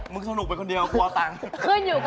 มึงสนุกไปคนเดียวกลัวเอาตังค์